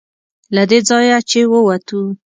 له دې ځایه چې ووتو.